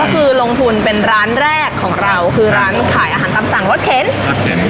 ก็คือลงทุนเป็นร้านแรกของเราคือร้านขายอาหารตำสั่งรถเข็นรถเข็น